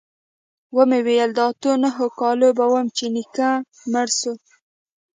ومې ويل د اتو نهو کالو به وم چې نيکه مړ سو.